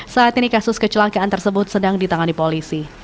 saat ini kasus kecelakaan tersebut sedang ditangani polisi